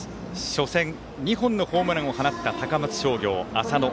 初戦、２本のホームランを放った高松商業、浅野。